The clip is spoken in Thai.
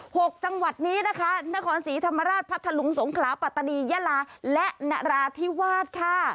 หกจังหวัดนี้นะคะนครศรีธรรมราชพัทธลุงสงขลาปัตตานียะลาและนราธิวาสค่ะ